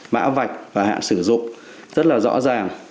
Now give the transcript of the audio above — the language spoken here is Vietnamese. mã vạch và hạn sử dụng rất là rõ ràng